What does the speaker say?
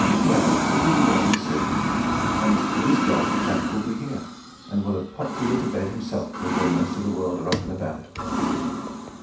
Well, it will be morning soon, and, please God, Jack will be here, and will have popped you into bed himself before most of the world are up and about."